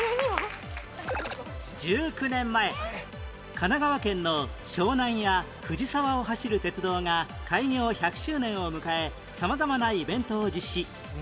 １９年前神奈川県の湘南や藤沢を走る鉄道が開業１００周年を迎え様々なイベントを実施